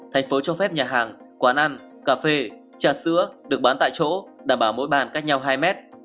thành phố cho phép nhà hàng quán ăn cà phê trà sữa được bán tại chỗ đảm bảo mỗi bàn cách nhau hai mét